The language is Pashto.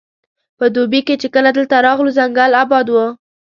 په دوبي کې چې کله دلته راغلو ځنګل اباد وو.